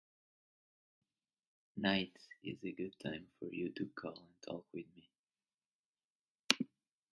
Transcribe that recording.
Night is a good time for you to call and talk with me.